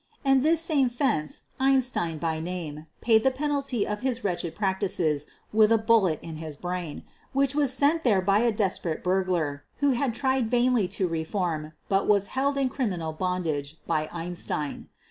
And this same "fence," Einstein by name, paid the penalty of his wretched practices with a bullet in his brain, which was sent there by a desperate burglar who had tried vainly to reform but was held in criminal bondage by Einstein.